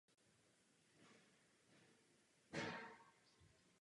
Cílem publikace rozhodnutí je sjednocování rozhodovací praxe v soustavě soudů.